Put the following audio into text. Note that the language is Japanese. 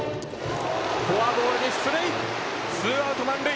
フォアボールで出塁。